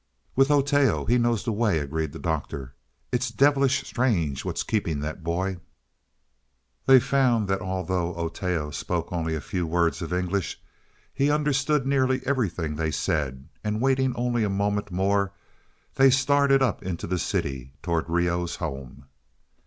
"With Oteo he knows the way," agreed the Doctor. "It's devilish strange what's keeping that boy." They found that although Oteo spoke only a few words of English, he understood nearly everything they said, and waiting only a moment more, they started up into the city towards Reoh's home.